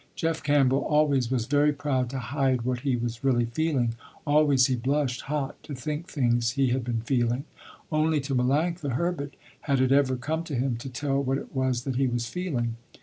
Jeff Campbell always was very proud to hide what he was really feeling. Always he blushed hot to think things he had been feeling. Only to Melanctha Herbert, had it ever come to him, to tell what it was that he was feeling.